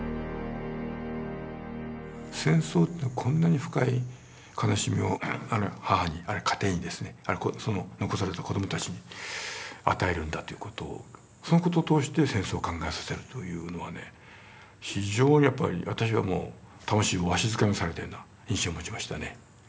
戦争ってこんなに深い悲しみを母にあるいは家庭にその残された子どもたちに与えるんだという事をその事を通して戦争を考えさせるというのはね非常にやっぱり私はもう魂をわしづかみにされたような印象を持ちましたね。